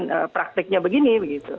dan praktiknya begini